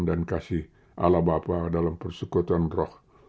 dan kasih ala bapak dalam persekutuan roh